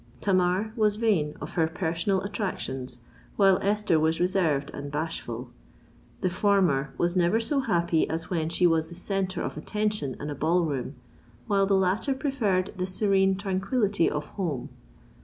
Tamar was vain of her personal attractions, while Esther was reserved and bashful: the former was never so happy as when she was the centre of attraction in a ball room, while the latter preferred the serene tranquillity of home.